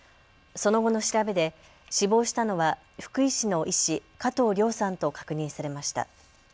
その後の調べで死亡したのは福井市の医師、加藤諒さんと確認されました。